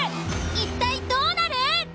一体どうなる？